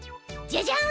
じゃじゃん。